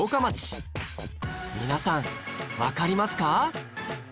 皆さんわかりますか？